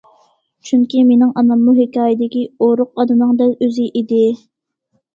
چۈنكى مېنىڭ ئاناممۇ ھېكايىدىكى ئورۇق ئانىنىڭ دەل ئۆزى ئىدى.